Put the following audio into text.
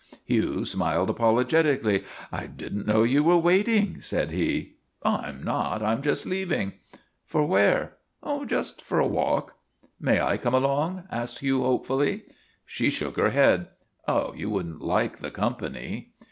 Hugh smiled apologetically. ' I did n't know you were waiting," said he. " I 'm not; I 'm just leaving." " For where ?"" Just for a walk." "May I come along?" asked Hugh hopefully. She shook her head. " You would n't like the company."